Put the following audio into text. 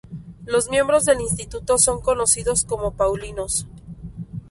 Los miembros del instituto son conocidos como paulinos.